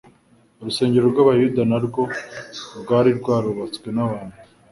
urusengero rw'Abayuda na rwo rwari rwarubatswe n'abantu;